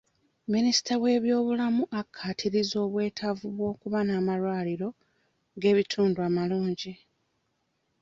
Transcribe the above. Minisita w'ebyobulamu akkaatirizza obwetaavu bw'okuba n'amalwaliro g'ebitundu amalungi.